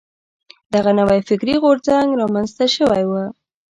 دغه نوی فکري غورځنګ را منځته شوی و.